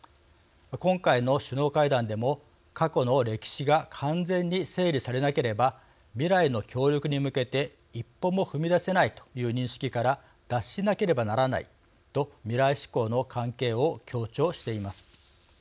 今回の首脳会談でも「過去の歴史が完全に整理されなければ未来の協力に向けて一歩も踏み出せないという認識から脱しなければならない」と未来志向の関係を強調しています。